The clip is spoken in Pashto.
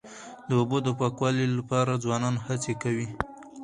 د اوبو د پاکوالي لپاره ځوانان هڅې کوي.